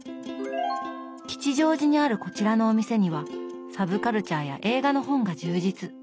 吉祥寺にあるこちらのお店にはサブカルチャーや映画の本が充実。